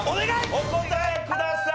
お答えください。